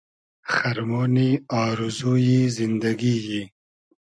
خئرمۉنی آرزو یی زیندئگی یی